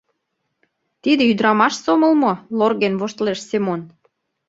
— Тиде ӱдырамаш сомыл мо? — лорген воштылеш Семон.